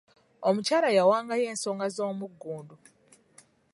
Omukyala yawangayo ensonga z'omugundu.